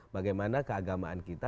bagaimana keagamaan kita